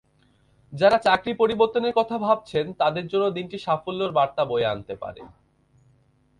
যাঁরা চাকরি পরিবর্তনের কথা ভাবছেন তাঁদের জন্য দিনটি সাফল্যের বার্তা বয়ে আনতে পারে।